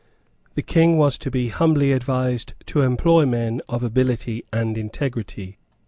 The King was to be humbly advised to employ men of ability and integrity.